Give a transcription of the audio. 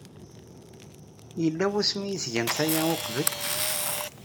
Yella wasmi ay tgamt aya uqbel?